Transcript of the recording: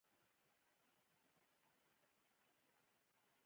د کارګرانو د ژوند په عوایدو کې کموالی راوستل